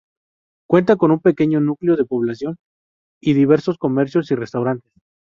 Cuenta con un pequeño núcleo de población y diversos comercios y restaurantes.